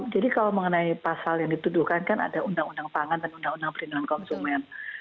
jadi kalau mengenai pasal yang dituduhkan kan ada undang undang pangan dan undang undang perlindungan konsumen